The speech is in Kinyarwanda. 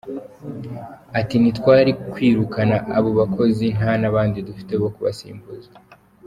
Ati nti twari kwirukana abo bakozi nta n’abandi dufite bo kubasimbuza.